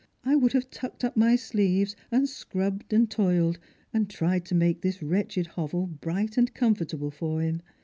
" I would have tucked up my sleeves and scrubbed and toiled, and tried to make this wretched hovel bright and comfortable for him.